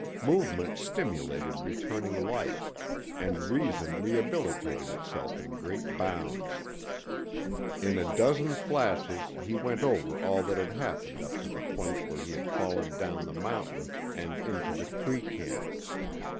Movement stimulated returning life, and reason rehabilitated itself in great bounds. In a dozen flashes he went over all that had happened up to the point where he had fallen down the mountain and into the Cree camp.